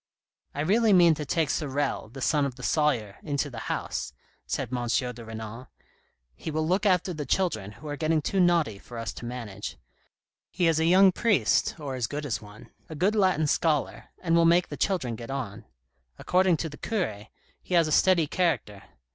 " I really mean to take Sorel, the son of the sawyer, into the house," said M. de Renal ;" he will look after the children, who are getting too naughty for us to manage. He is a young priest, or as good as one, a good Latin scholar, and will make the children get on. According to the cure, he has a steady character.